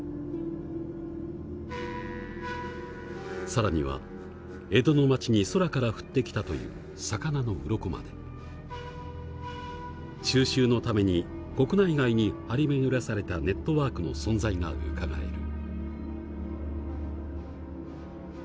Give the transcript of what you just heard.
更には江戸の町に空から降ってきたという魚のウロコまで収集のために国内外に張り巡らされたネットワークの存在がうかがえる。